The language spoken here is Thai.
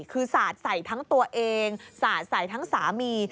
คือสาดใส่ทั้งตัวเองสาดใส่ทั้งสามี